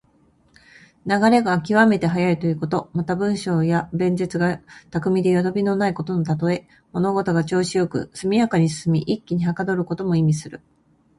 流れが極めて速いということ。また、文章や弁舌が巧みでよどみのないことのたとえ。物事が調子良く速やかに進み、一気にはかどることも意味する。